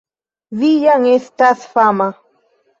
Vi jam estas fama